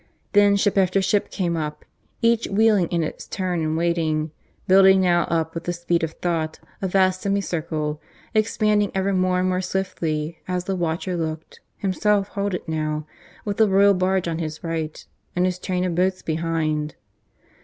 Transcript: Then ship after ship came up, each wheeling in its turn and waiting, building now up with the speed of thought a vast semicircle, expanding ever more and more swiftly, as the watcher looked himself halted now, with the royal barge on his right and his train of boats behind.